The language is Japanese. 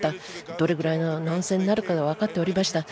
どれくらいの混戦になるかは分かっていました。